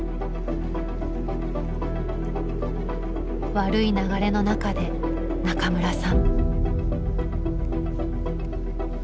悪い流れの中で中村さん。